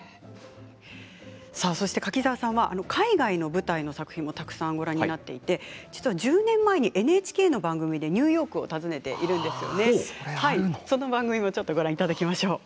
柿澤さんは海外の舞台の作品もたくさんご覧になっていて１０年前にＮＨＫの番組でニューヨークを訪ねているんです。